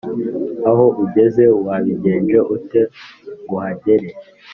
aho ugeze wabigenje ute nguhagere